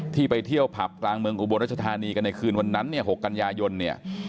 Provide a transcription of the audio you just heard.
ที่ไปเที่ยวผับกลางเมืองอุบรัชธานีกันในคืนวันนั้นเนี่ย